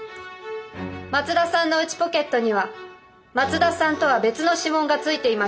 松田さんの内ポケットには松田さんとは別の指紋がついていました。